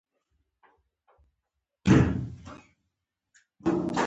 هېواد د جګړې قرباني دی.